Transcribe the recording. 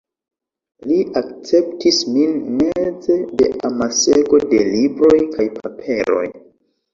Li akceptis min meze de amasego de libroj kaj paperoj.